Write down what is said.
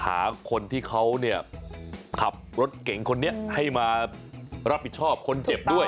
หาคนที่เขาเนี่ยขับรถเก่งคนนี้ให้มารับผิดชอบคนเจ็บด้วย